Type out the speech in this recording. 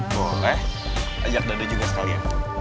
boleh ajak dedy juga sekali ya